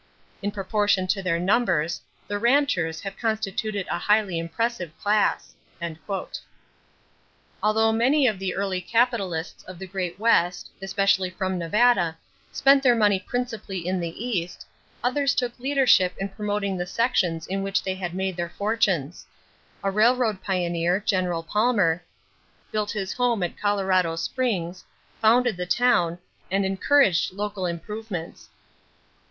In proportion to their numbers, the ranchers ... have constituted a highly impressive class." Although many of the early capitalists of the great West, especially from Nevada, spent their money principally in the East, others took leadership in promoting the sections in which they had made their fortunes. A railroad pioneer, General Palmer, built his home at Colorado Springs, founded the town, and encouraged local improvements.